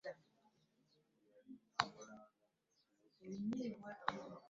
Omulenzi asula yategese dda mwannyina ko ne mukwano gwe abanaamutwalira kaasuzekatya ku buko.